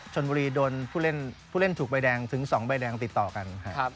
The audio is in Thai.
ชนบุรีโดนผู้เล่นถูกใบแดงถึง๒ใบแดงติดต่อกัน